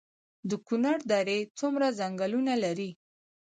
د کونړ درې څومره ځنګلونه لري؟